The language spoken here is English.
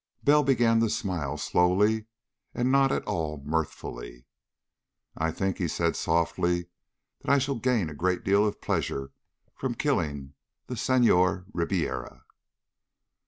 Bell began to smile slowly, and not at all mirthfully. "I think," he said softly, "that I shall gain a great deal of pleasure from killing the Senhor Ribiera."